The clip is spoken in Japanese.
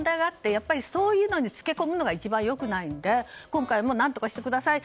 やっぱりそういうのにつけ込むのが一番良くないので今回も何とかしてください